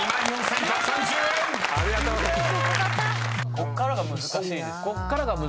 こっからが難しいですよね。